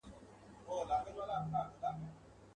وازه خوله د مرګ راتللو ته تیار سو.